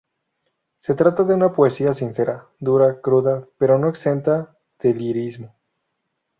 Se trata de una poesía sincera, dura, cruda, pero no exenta de lirismo.